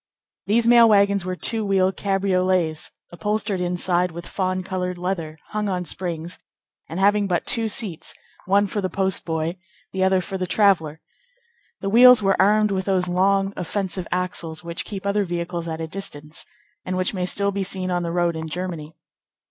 These mail wagons were two wheeled cabriolets, upholstered inside with fawn colored leather, hung on springs, and having but two seats, one for the postboy, the other for the traveller. The wheels were armed with those long, offensive axles which keep other vehicles at a distance, and which may still be seen on the road in Germany.